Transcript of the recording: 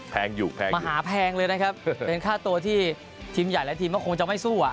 แพงอยู่แพงมหาแพงเลยนะครับเป็นค่าตัวที่ทีมใหญ่และทีมก็คงจะไม่สู้อ่ะ